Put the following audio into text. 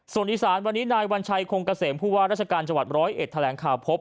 ส่วนอีสานวันนี้นายวัญชัยคงเกษมผู้ว่าราชการจังหวัดร้อยเอ็ดแถลงข่าวพบ